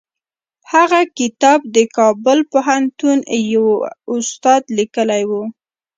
هغه کتاب د کابل پوهنتون یوه استاد لیکلی و.